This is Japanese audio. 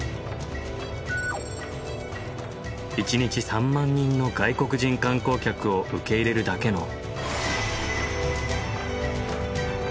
１日３万人の外国人観光客を受け入れるだけの。